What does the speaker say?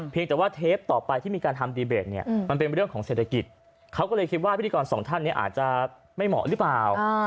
แต่ว่าเทปต่อไปที่มีการทำดีเบตเนี่ยมันเป็นเรื่องของเศรษฐกิจเขาก็เลยคิดว่าพิธีกรสองท่านเนี่ยอาจจะไม่เหมาะหรือเปล่า